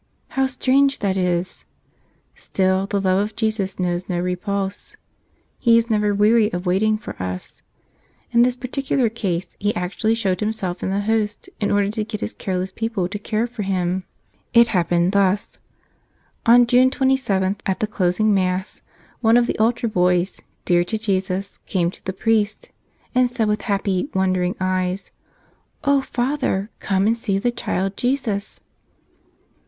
How strange that is. Still the love of Jesus knows no repulse. He is never weary of waiting for us. In this particular case He actually showed Himself in the Host in order to get His care¬ less people to care for Him. It happened thus : On June 27, at the closing Mass, one of the altar boys, dear to Jesus, came to the priest and said with happy, wondering eyes: "O Father, come and see the Child Jesus!"